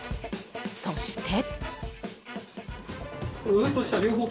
そして。